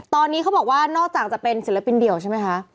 ตอนนี้เขาบอกว่านอกจากจะเป็นศิลปินเดี่ยวใช่ไหมคะ